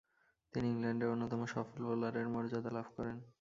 তিনি ইংল্যান্ডের অন্যতম সফল বোলারের মর্যাদা লাভ করেন।